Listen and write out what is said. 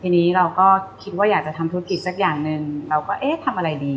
ทีนี้เราก็คิดว่าอยากจะทำธุรกิจสักอย่างหนึ่งเราก็เอ๊ะทำอะไรดี